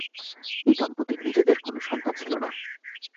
এই দম্পতির নিজেদের কোনো সন্তান ছিল না।